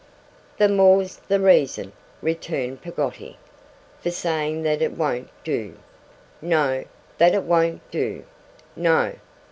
'The more's the reason,' returned Peggotty, 'for saying that it won't do. No! That it won't do. No!